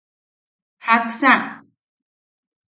¿Jaksa?